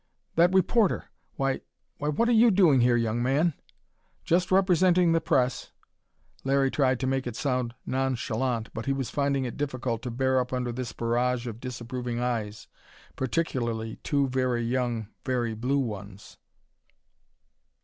"That reporter! Why why, what are you doing here, young man?" "Just representing the press." Larry tried to make it sound nonchalant but he was finding it difficult to bear up under this barrage of disapproving eyes particularly two very young, very blue ones.